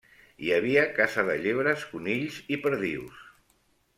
Hi havia caça de llebres, conills i perdius.